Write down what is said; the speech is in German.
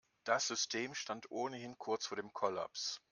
Das System stand ohnehin kurz vor dem Kollaps.